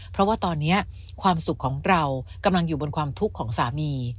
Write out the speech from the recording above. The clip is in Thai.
เพราะว่าตอนนี้ความสุขของเรากำลังอยู่บนความทุกข์ของสามี